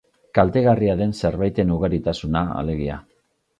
Kaltegarria den zerbaiten ugaritasuna, alegia.